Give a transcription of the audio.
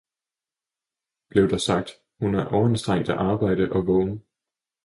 blev der sagt, hun er overanstrengt af arbejde og vågen.